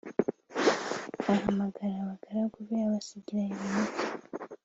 ahamagara abagaragu be abasigira ibintu bye…